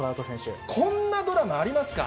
こんなドラマありますか？